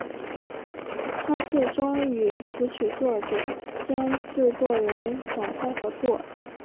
她最终与词曲作者兼制作人展开合作。